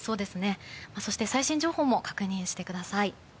そして最新情報も確認してください。